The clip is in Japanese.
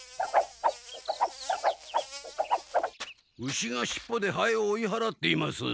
牛がしっぽでハエを追いはらっています。